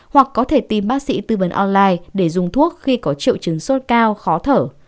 hoặc có thể tìm bác sĩ tư vấn online để dùng thuốc khi có triệu chứng sốt cao khó thở